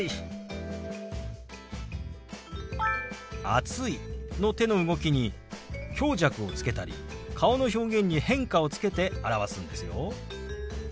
「暑い」の手の動きに強弱をつけたり顔の表現に変化をつけて表すんですよ。